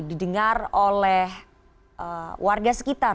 didengar oleh warga sekitar